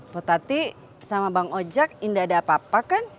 po tatty sama bang ojak indah ada apa apa kan